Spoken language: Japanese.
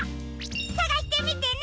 さがしてみてね！